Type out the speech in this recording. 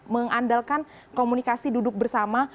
mengandalkan komunikasi duduk bersama